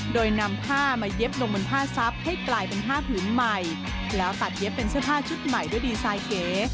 โดยนำผ้ามาเย็บลงบนผ้าซับให้กลายเป็นผ้าผืนใหม่แล้วตัดเย็บเป็นเสื้อผ้าชุดใหม่ด้วยดีไซน์เก๋